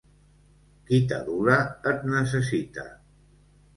Qui t'adula et necessita.